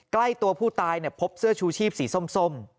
ใกล้ตัวผู้ตายพบเสื้อชูชีพสีส้ม